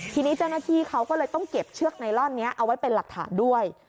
ทีนี้เจ้าหน้าที่เขาก็เลยต้องเก็บเชือกไนลอนนี้เอาไว้เป็นหลักฐานด้วย